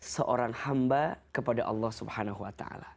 seorang hamba kepada allah swt